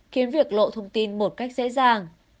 khiến việc lộ thông tin một cách dễ dàng